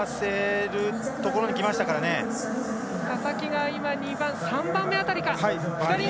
佐々木が３番目辺りか。